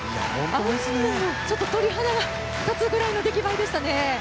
あまりにも鳥肌が立つぐらいの出来栄えでしたね。